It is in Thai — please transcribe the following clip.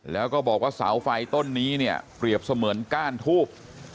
แล้วก็บอกว่าเสาไฟต้นนี้เนี่ยเปรียบเสมือนก้านทูบ